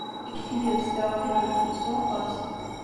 Deg tegrest, iɣelli-d udfel s waṭas.